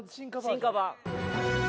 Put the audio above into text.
進化版。